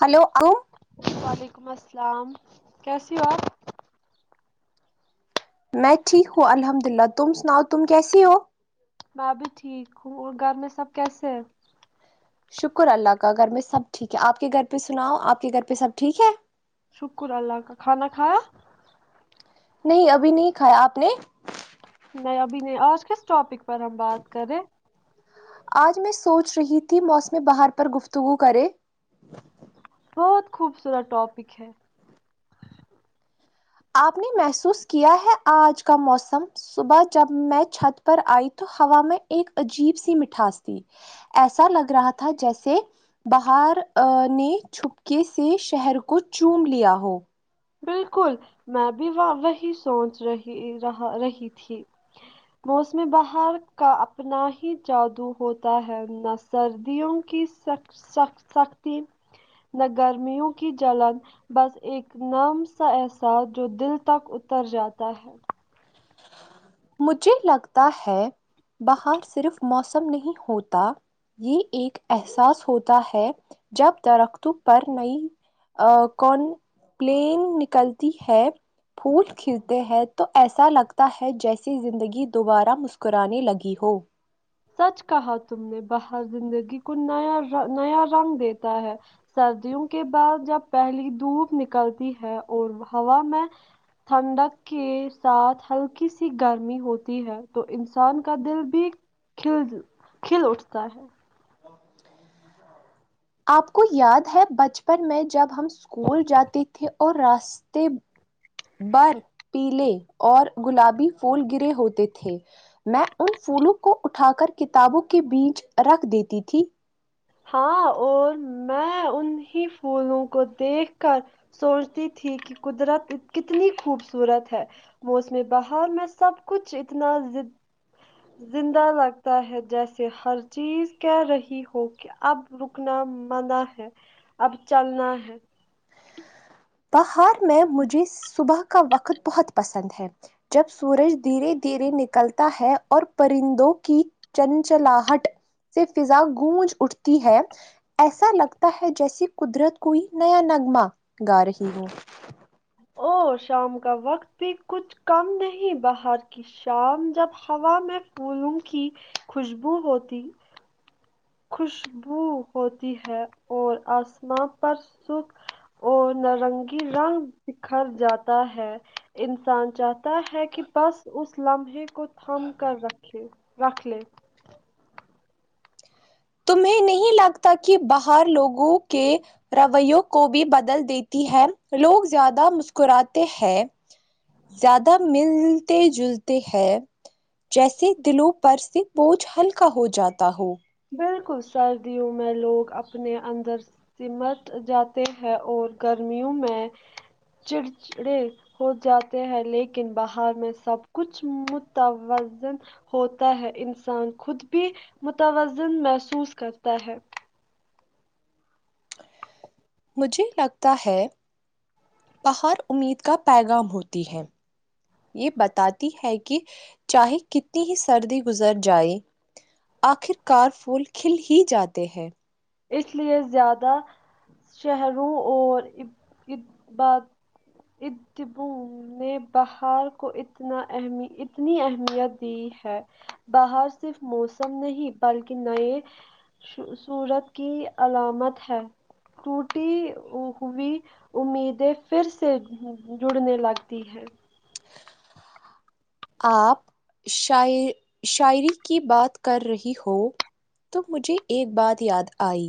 hello ابو وعلیکم السلام کیسی ہو آپ میں ٹھیک ہوں الحمد اللہ تم سناؤ تم کیسی ہو میں بھی ٹھیک ہوں اور گھر میں سب کیسے ہیں شکر اللہ کا گھر میں سب ٹھیک ہے آپ کے گھر پہ سناؤ آپ کے گھر پہ سب ٹھیک ہے شکر اللہ کا کھانا کھایا نہیں ابھی نہیں کھایا آپ نے نہیں ابھی نہیں آج کس ٹاپک پر ہم بات کریں آج میں سوچ رہی تھی موسم بہار پر گفتگو کرے بہت خوبصورت ٹاپک ہے آپ نے محسوس کیا ہے آج کا موسم صبح جب میں چھت پر آئی تو ہوا میں ایک عجیب سی مٹھاس تھی ایسا لگ رہا تھا جیسے بہار نے چھپکے سے شہر کو چوم لیا ہو بلکل میں بھی وہی سوچ رہی رہا رہی تھی موسم بہار کا اپنا ہی جادو ہوتا ہے نس سردیوں کی س سختی نہ گرمیوں کی جلن بس ایک نام سا احساس جو دل تک اتر جاتا ہے مجھے لگتا ہے باہر صرف موسم نہیں ہوتا یہ ایک احساس ہوتا ہے جب درختوں پر نئی ا کون پلین نکلتی ہے پھول کلتے ہیں تو ایسا لگتا ہے جیسے ی زندگی دوبارہ مسکرانے لگی ہو سچ کہا تم نے باہر زندگی کو نیا نیا رنگ دیتا ہے سردیوں کے بعد جب پہلی دھوپ نکلتی ہے اور ہوا میں ٹھنڈک کے ساتھ ہلکی سی گرمی ہوتی ہے تو انسان کا دل بھی کھل کھل اٹھتا ہے آپ کو یاد ہے بچپن میں جب ہم اسکول جاتی تھے اور راستے بر پیلے اور گلابی پھول گرے ہوتے تھے میں ان پھولوں کو اٹھا کر کتابوں کے بیچ رکھ دیتی تھی ہاں اور میں انہیں پھولوں کو دیکھ کر سوچتی تھی کہ قدرت کتنی خوبصورت ہے موسم بہار میں سب کچھ اتنا زندہ لگتا ہے جیسے ہر چیز کہہ رہی ہو کہ اب رکنا مانا ہے اب چلنا ہے بہار میں مجھے صبح کا وقت بہت پسند ہے جب سورج دھیرے دھیرے نکلتا ہے اور پرندوں کی چنچلاہٹ سے فضا گونج اٹھتی ہے ایسا لگتا ہے جیسے قدرت کوئی نیا نغمہ گا رہی ہو اور شام کا وقت بھی کچھ کم نہیں بہار کی شام جب ہوا میں پھولوں کی خوشبو ہوتی خوشبو ہوتی ہے اور آسمان پر سرخ اور نارنگی رنگ بکھر جاتا ہے انسان چاہتا ہے کہ بس اس لمحے کو تھام کر رکھے رکھ لے تمہیں نہیں لگتا کہ بہار لوگوں کے رویوں کو بھی بدل دیتی ہے لوگ زیادہ مسکراتے ہیں زیادہ مللتے جلتے ہیں جیسے دلوں پر سے بوجھ ہلکا ہو جاتا ہو بالکل سردیوں میں لوگ اپنے اندر سمٹ جاتے ہیں اور گرمیوں میں چڑچڑے ہو جاتے ہیں لیکن بہار میں سب کچھ متوزن ہوتا ہے انسان خود بھی متوازن محسوس کرتا ہے مجھے لگتا ہے بہار امید کا پیغام ہوتی ہے یہ بتاتی ہے کہ چاہے کتنی ہی سردی گزر جائے آخر کار پھول کھل ہی جاتے ہیں اس لیے زیادہ شہروں اور [unintelligible] [unintelligible] نے بہار کو اتنا اہمی اتنی اہمیت دی ہے بہار صرف موسم نہیں بلکہ نئے شو صورت کی علامت ہے ٹوٹی ہوئی امیدیں پھر سے جڑنے لگتی ہیں آپ شاعر شاعری کی بات کر رہی ہو تو مجھے ایک بات یاد آئی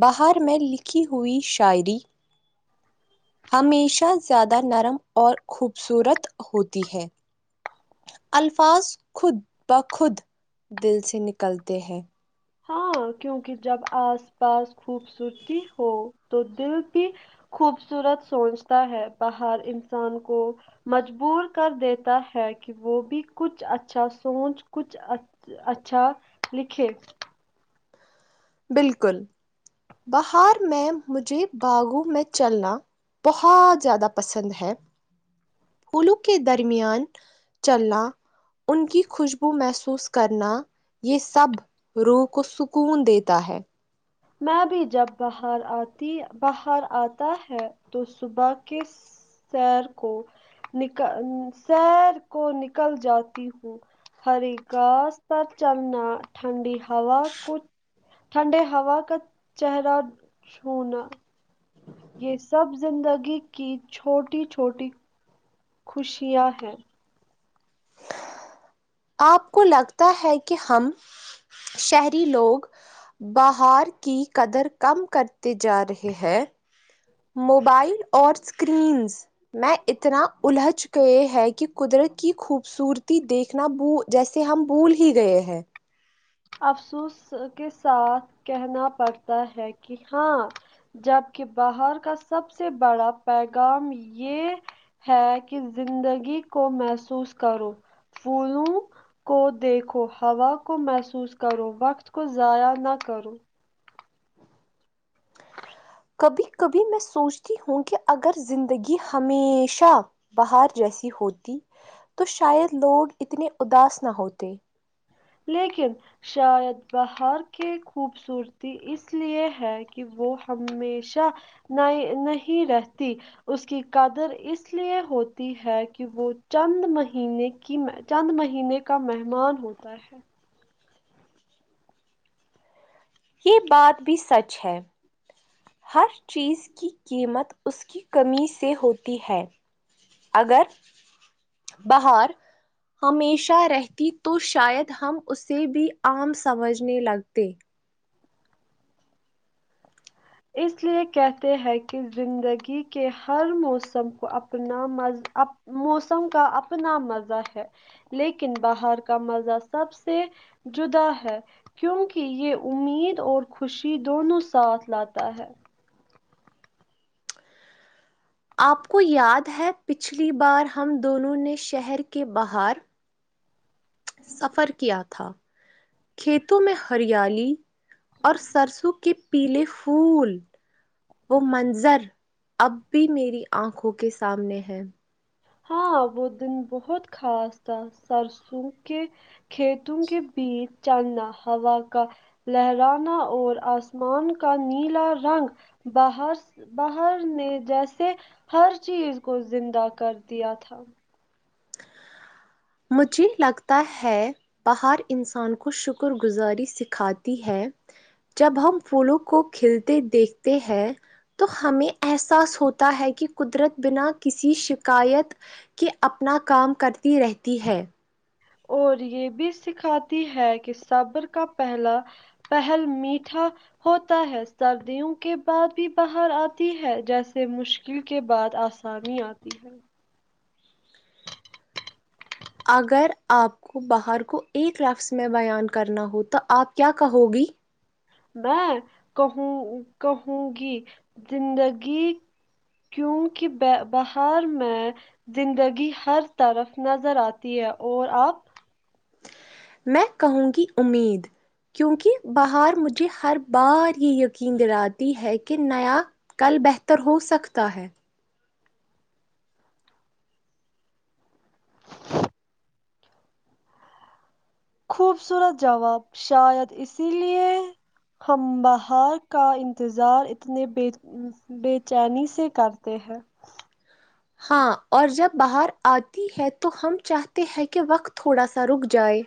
بہار میں لکھی ہوئی شاعری ہمیشہ زیادہ نرم اور خوبصورت ہوتی ہے الفاظ خود بخود دل سے نکلتے ہیں ہاں کیونکہ جب آس پاس خوبصورتی ہو تو دل بھی خوبصورت سونچتا ہے بہار انسان کو مجبور کر دیتا ہے کہ وہ بھی کچھ اچھا سونچ کچھ اچھ اچھا لکھے بالکل بہار میں مجھے باغوں میں چلنا بہت زیادہ پسند ہے پھولوں کے درمیان چلنا ان کی خوشبو محسوس کرنا یہ سب روح کو سکون دیت تا ہے میں بھی جب بہار آتی بہار آتا ہے تو صبح کے سس سیر کو نکا سیر کو نکل جاتی ہوں ہری گھاس پر چلنا ٹھنڈی ہوا کو ٹھنڈے ہوا کا چہرہ چھونا یہ سب زندگی کی چھوٹی چھوٹی خوشیاں ہیں آپ کو لگتا ہے کہ ہم شہری لوگ بہار کی قدر کم کرتے جا رہے ہیں موبائل اور اسکرینز میں اتنا الجھ گئے ہے کہ قدرت کی خوبصورتی دیکھنا بھول جیسے ہم بھول ہی گئے ہیں افسوس کے ساتھ کہنا پڑتا ہے کہ ہاں جبک باہر کا سب سے بڑا پیغام یہ ہے کہ زندگی کو محسوس کرو پھولوں کو دیکھو ہوا کو محسو محسوس کرو وقت کو ضائع نہ کرو کبھی کبھی میں سوچتی ہوں کہ اگر زندگی ہمیشہ باہر جیسی ہوتی تو شاید لوگ اتنے اداس نہ ہوتے لیکن شاید باہر کی خوبصورتی اس لیے ہے کہ وہ ہمیشہ نہیں نہیں رہتی اس کی قدر اس لیے ہوتی ہے کہ وہ چند مہینے کہ میں چند مہینے کا مہمان ہوتا ہے یہ بات بھی سچ ہے ہر چیز کی قیمت اس کی کمی سے ہوتی ہے اگر بہار ہمیشہ رہتی تو شاید ہم اسے بھی عام سمجھنے لگتے اس لیے کہتے ہیں کہ زندگی کے ہر موسم کو اپنا مزہ اپب موسم کا اپنا مزہ ہے لیکن باہر کا مزہ سب سے جدا ہے کیونکہ یہ امید اور خوشی دونوں ساتھ لاتا ہے آپ کو یاد ہے پچھلی بار ہم دونوں نے شہر کے باہر سفر کیا تھا کھیتوں میں ہریالی اور سرسوں کے پیلے پھول وہ منظر اب بھی میری آنکھوں کے سامنے ہے ہاں وہ دن بہت خاص تھا سرسوں کے کھیتوں کے بیچ جانا ہوا کا لہرانا اور آسمان کا نیلا رنگ باہر بہار نے جیسے ہر چیز کو زندہ کر دیا تھا مجھے لگتا ہے بہار انسان کو شکر گزاری سکھاتی ہے جب ہم پھولوں کو کھلتے دیکھتے ہیں تو ہمیں احساس ہوتا ہے کہ قدرت بنا کسی شکایت کہ اپنا کام کرتی رہتی ہے اور یہ بھی سکھاتی ہے کہ صابر کا پہلا پہل میٹھا ہوتا ہے سردیوں کے بعد بھی بہار آتی ہے جیسے مشکل کے بعد آسانی آتی ہے اگر آپ کو بہار کو ایک لفظ میں بیان کرنا ہو تو آپ کیا کہو گی میں کہوں کہوں گی زندگی کیونکہ بہار میں زندگی ہر طرف نظر آتی ہے اور آپ میں کہوں گی امید کیونکہ بہار مجھے ہر بار یہ یقین دلاتی ہے کہ نیا کل بہتر ہو سکتا ہے خوبصورت جواب شاید اسی لیے ہم بہار کا انتظار اتنے بے بے چینی سے کرتے ہیں ہاں اور جب بہار آتی ہے تو ہم چاہتے ہیں کہ وقت تھوڑا سا رک جائے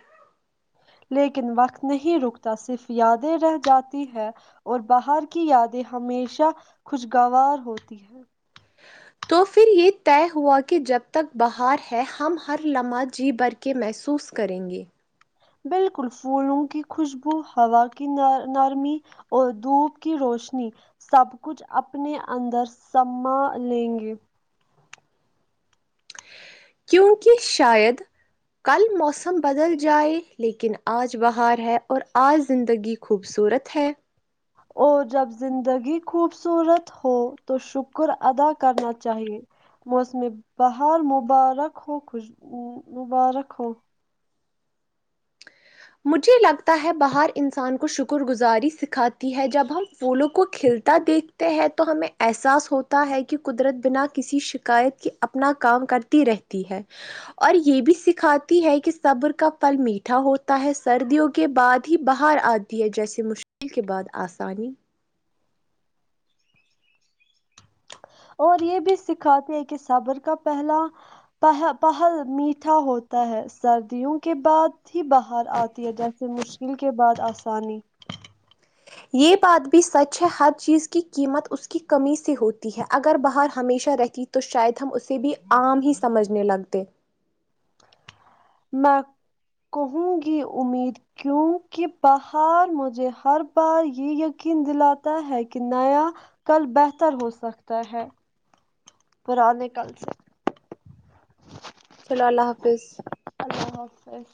لیکن وقت نہیں رکتا صرف یادیں رہ جاتی ہے اور بہار کی یادیں ہمیشہ خوشگوار ہوتی ہیں تو پھر یہ طے ہوا کہ جب تک بہار ہے ہم ہر لمحہ جی بر کے کہ محسوس کریں گے بالکل پھولوں کی خوشبو ہوا کی ن نرمی اور دھوپ کی روشنی سب کچھ اپنے اندر سما لیں گے کیونکہ شاید کل موسم بدل جائے لیکن آج بہار ہے اور آج زندگی خوبصورت ہے اور جب زندگی خوبصورت ہو تو شکر ادا کرنا چاہیے موسم بہار مبارک ہو خوش مبارک ہو مجھے لگتا ہے بہار انسان کو شکر گزاری سکھاتی ہے جب ہم پھولوں کو کھل تا دیکھتے ہیں تو ہمیں احساس ہوتا ہے کہ قدرت بنا کسی شکایت کے اپنا کام کر کرتی رہتی ہے اور یہ بھی سکھاتی ہے کہ صبر کا پھل میٹھا ہوتا تا ہے سردیوں کے بعد ہی بہار آتی ہے جیسے مشکل کے بعد آسانی اور یہ بھی سکھاتے ہیں کہ صبر کا پہلا پہ پہل میٹھا ہوتا ہے سردیوں کے بعد ہی بہار آتی ہے جیسے مشکل کے بعد آسانی یہ بات بھی سچ ہے ہر چیز کی قیمت اس کی کمی سے ہوتی ہے اگر بہار ہمیشہ رہتی تو شاید ہم اسے بھی عام ہی سمجھنے لگتے میں کہوں کی امید کی کیونکہ بہار مجھے ہر بار یہ یقین دلاتا ہے کہ نیا کل بہتر ہو سکتا ہے پرانے کل سے [inaudible] چلو اللہ حافظ اللہ حافظ